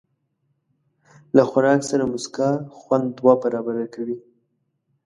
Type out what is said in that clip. له خوراک سره موسکا، خوند دوه برابره کوي.